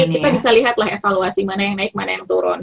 kita bisa lihatlah evaluasi mana yang naik mana yang turun